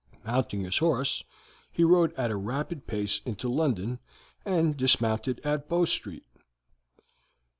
Mounting his horse, he rode at a rapid pace into London, and dismounted at Bow Street.